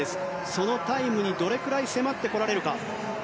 そのタイムにどれぐらい迫ってこられるか。